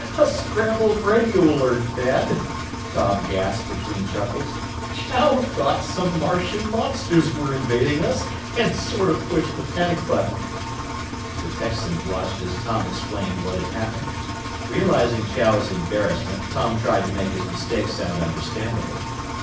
"A scrambled radio alert, Dad," Tom gasped between chuckles. "Chow thought some Martian monsters were invading us, and sort of pushed the panic button." The Texan blushed as Tom explained what had happened. Realizing Chow's embarrassment, Tom tried to make his mistake sound understandable.